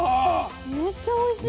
めっちゃおいしい。